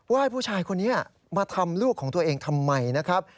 ให้ผู้ชายคนนี้มาทำลูกของตัวเองทำไมนะครับ